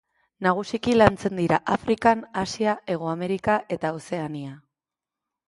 Nagusiki lantzen dira Afrikan, Asia, Hego Amerika eta Ozeania.